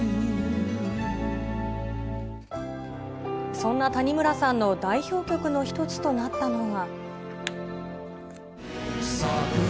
そんな谷村さんの代表曲の一つとなったのが。